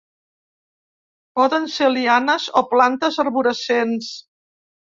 Poden ser lianes o plantes arborescents.